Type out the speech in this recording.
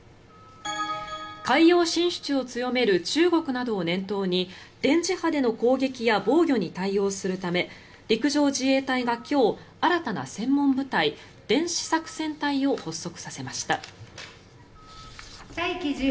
海洋進出を強める中国などを念頭に電磁波での攻撃や防御に対応するため陸上自衛隊が今日新たな専門部隊電子作戦隊を発足させました。